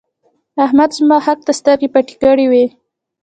احمد زما حق ته سترګې پټې کړې وې.